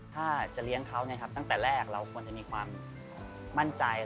ถ้าจะเลี้ยงเขาตั้งแต่แรกเราควรจะมีความมั่นใจ